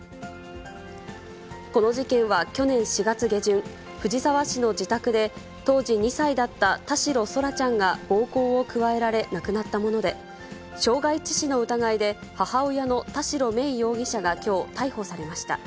この事件は去年４月下旬、藤沢市の自宅で、当時２歳だった田代空来ちゃんが暴行を加えられ、亡くなったもので、傷害致死の疑いで母親の田代芽育容疑者がきょう、逮捕されました。